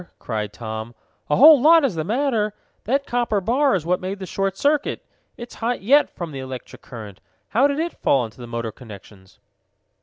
cried Tom. "A whole lot is the matter! That copper bar is what made the short circuit. It's hot yet from the electric current. How did it fall on the motor connections?"